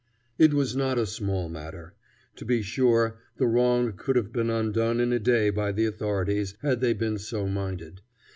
It was not a small matter. To be sure, the wrong could have been undone in a day by the authorities, had they been so minded.